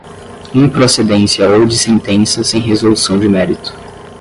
improcedência ou de sentença sem resolução de mérito